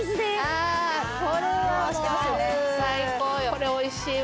これおいしいわ。